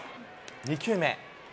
２球目。